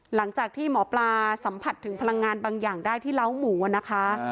หลังจากที่หมอปลาสัมผัสถึงพลังงานบางอย่างได้ที่เล้าหมูนะคะ